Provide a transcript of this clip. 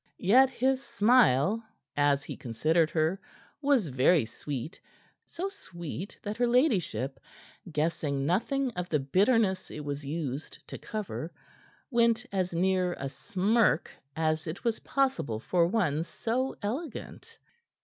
Yet his smile, as he considered her, was very sweet, so sweet that her ladyship, guessing nothing of the bitterness it was used to cover, went as near a smirk as it was possible for one so elegant.